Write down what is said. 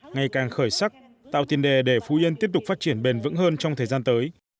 ngày càng khởi sắc tạo tiền đề để phú yên tiếp tục phát triển bền vững hơn trong thời gian tới